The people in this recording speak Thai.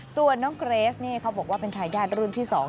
ส่วนน้องเกรสนี่เขาบอกว่าเป็นทายาทรุ่นที่๒